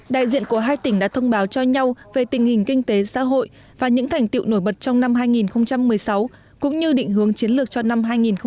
đại diện của hai tỉnh đã thông báo cho nhau về tình hình kinh tế xã hội và những thành tiệu nổi bật trong năm hai nghìn một mươi sáu cũng như định hướng chiến lược cho năm hai nghìn hai mươi